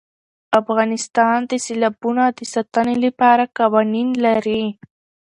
افغانستان د سیلابونه د ساتنې لپاره قوانین لري.